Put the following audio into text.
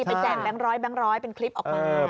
ไปแจ่งแบงค์ร้อยเป็นคลิปออกมา